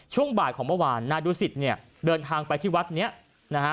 ช่วงบ่ายของเมื่อวานนายดูสิตเนี่ยเดินทางไปที่วัดเนี้ยนะฮะ